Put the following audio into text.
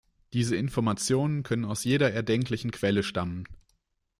Diese Informationen können aus jeder erdenklichen Quelle stammen.